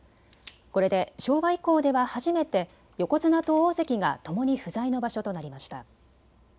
これで昭和以降では初めて横綱と大関がともに不在の場所となりました。